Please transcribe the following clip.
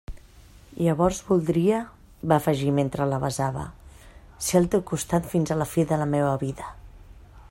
Llavors voldria —va afegir mentre la besava— ser al teu costat fins a la fi de la meua vida!